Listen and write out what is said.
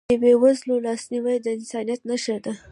د بېوزلو لاسنیوی د انسانیت نښه ده.